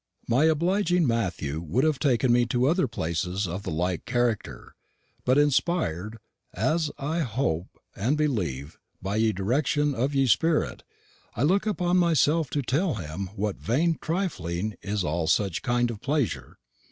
"My obliging Mathew would have taken me to other places of the like character; but inspir'd, as I hope and believe, by ye direction of ye spirit, I took upon myself to tell him what vain trifling is all such kind of pleasure.